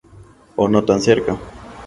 O no tan cerca.